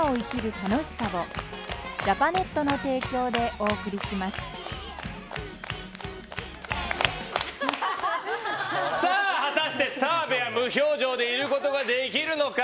おいしさプラス果たして澤部は無表情でいることができるのか。